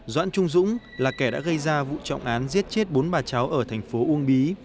doãn trung dũng là kẻ đã gây ra vụ trọng án giết chết bốn bà cháu ở thành phố uông bí